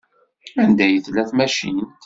Anda ay tella tmacint?